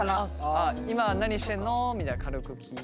今何してんの？みたいに軽く聞いて。